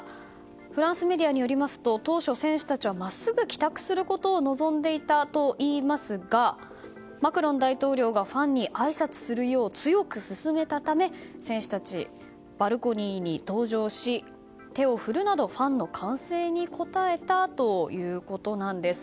フランスメディアによりますと当初、選手たちはまっすぐ帰宅することを望んでいたといいますがマクロン大統領がファンにあいさつするよう強く勧めたため選手たち、バルコニーに登場し、手を振るなどファンの歓声に応えたということなんです。